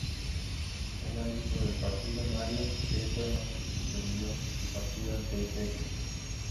El árbitro del partido, Mario Prieto no suspendió el partido ante este hecho.